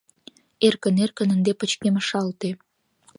Эркын-эркын ынде пычкемышалте.